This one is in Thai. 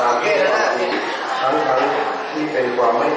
การพุทธศักดาลัยเป็นภูมิหลายการพุทธศักดาลัยเป็นภูมิหลาย